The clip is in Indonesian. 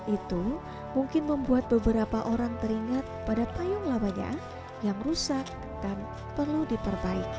itu mungkin membuat beberapa orang teringat pada payung lamanya yang rusak dan perlu diperbaiki